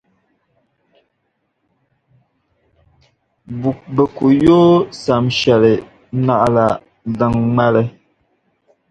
Bɛ ku yo o sam shɛli naɣila din ŋmali.